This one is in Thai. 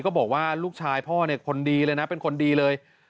บอกว่าลูกชายพ่อเนี่ยคนดีเลยนะเป็นคนดีเลย